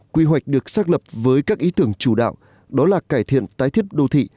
quy hoạch được xác lập với các ý tưởng chủ đạo đó là cải thiện tái thiết đô thị